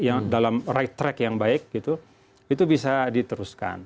yang dalam track yang baik itu bisa diteruskan